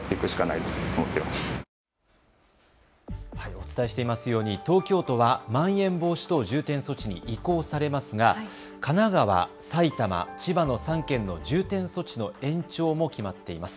お伝えしていますように東京都はまん延防止等重点措置に移行されますが、神奈川、埼玉、千葉の３県の重点措置の延長も決まっています。